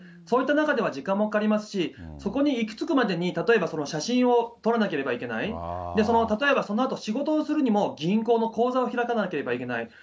そういった中では時間もかかりますし、そこに行き着くまでに例えば写真を取らなければいけない、例えばそのあと、仕事をするにも銀行の口座を開かなければいけない。